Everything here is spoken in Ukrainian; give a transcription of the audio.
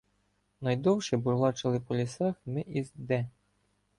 Найдовше бурлачили по лісах ми із Д.